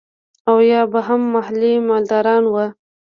او يا به هم محلي مالداران وو.